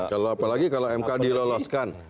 kalau apalagi kalau mk diloloskan